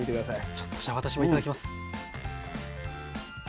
ちょっとじゃあ私も頂きます。